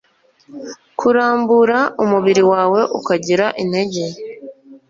Kurambura umubiri wawe ukagira intege